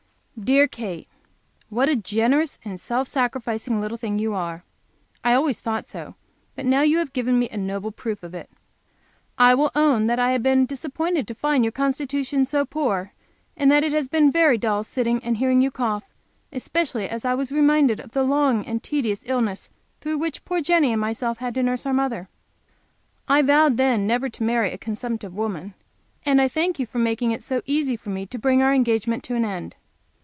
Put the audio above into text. Dear Kate: What a generous, self sacrificing little thing you are! I always thought so, but now you have given me a noble proof of it. I will own that I have been disappointed to find your constitution so poor, and that it has been very dull sitting and hearing you cough, especially as I was reminded of the long and tedious illness through which poor Jenny and myself had to nurse our mother. I vowed then never to marry a consumptive woman, and I thank you for making it so easy for me to bring our engagement to an end.